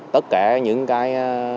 tất cả những cái